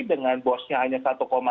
dengan bosnya hanya satu tujuh